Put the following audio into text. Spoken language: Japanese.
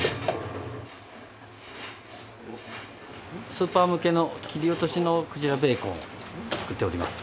スーパー向けの切り落としのクジラベーコンを作っております。